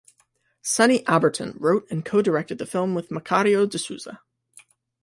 Sunny Abberton wrote and co-directed the film with Macario De Souza.